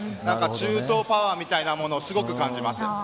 中東パワーみたいなものをすごく感じます。